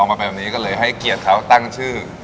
มาแบบนี้ก็เลยให้เกียรติเขาตั้งชื่อ